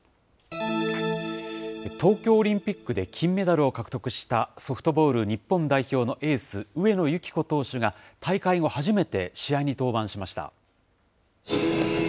東京オリンピックで金メダルを獲得したソフトボール日本代表のエース、上野由岐子投手が大会後初めて試合に登板しました。